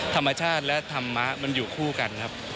ธรรมชาติและธรรมะมันอยู่คู่กันครับ